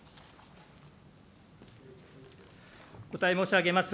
お答え申し上げます。